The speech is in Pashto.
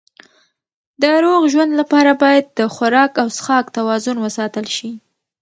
د روغ ژوند لپاره باید د خوراک او څښاک توازن وساتل شي.